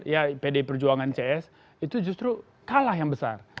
ya pdi perjuangan cs itu justru kalah yang besar